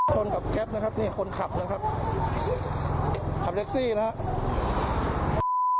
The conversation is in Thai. จนกับเจ็บนะครับเนี่ยคนขับนะครับขับเจ๊สีแล้ว